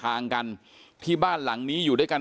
เป็นมีดปลายแหลมยาวประมาณ๑ฟุตนะฮะที่ใช้ก่อเหตุ